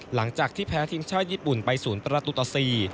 หลังจากที่แพ้ทีมชาติญี่ปุ่นไปศูนย์ตราตุตสี